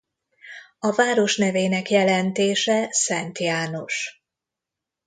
A város nevének jelentése ’Szent János’.